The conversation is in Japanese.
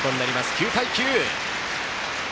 ９対９。